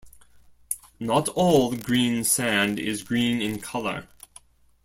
Not all Green sand is green in color.